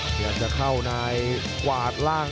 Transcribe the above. เดี๋ยวจะเข้านายกวาดร่าง